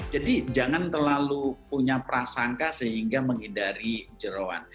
jadi jangan terlalu punya prasangka sehingga menghindari jerohan